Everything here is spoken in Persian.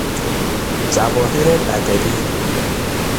جواهر بدلی